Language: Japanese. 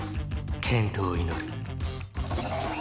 「健闘を祈る」